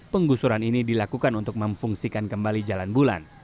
penggusuran ini dilakukan untuk memfungsikan kembali jalan bulan